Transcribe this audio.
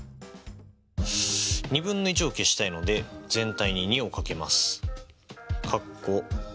２分の１を消したいので全体に２を掛けます。